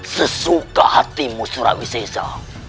sesuka hatimu surawi seja